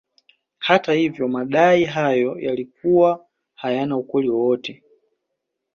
Hata hivyo madai hayo yalikuwa hayana ukweli wowote